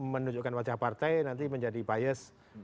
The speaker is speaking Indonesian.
menunjukkan wajah partai nanti menjadi bias